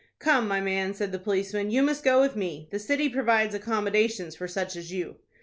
"Come, my man," said the policeman, "you must go with me. The city provides accommodations for such as you."